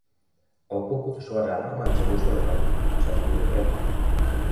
Ao pouco de soar a alarma achegouse ao local, xa que vive preto.